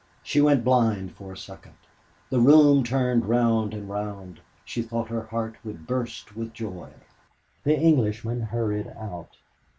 She went blind for a second; the room turned round and round; she thought her heart would burst with joy. The Englishman hurried out.